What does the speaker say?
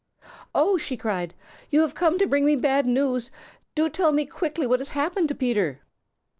"Oh!" she cried, "you have come to bring me bad news. Do tell me quickly what has happened to Peter!"